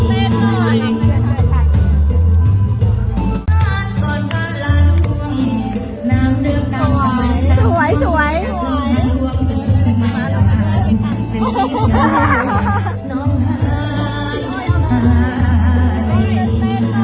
เมื่อสู่อันดับสุดท้ายเมื่อสู่เมื่อสู่ล่างภาพที่นำมาที่นำนะครับ